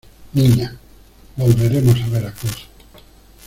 niña, volveremos a Veracruz.